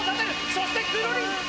そしてくるりんぱ！